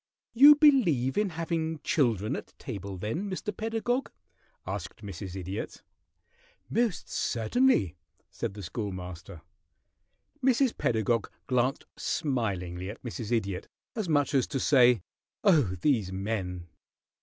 "You believe in having children at table, then, Mr. Pedagog?" asked Mrs. Idiot. "Most certainly," said the Schoolmaster. Mrs. Pedagog glanced smilingly at Mrs. Idiot, as much as to say, "Oh, these men!"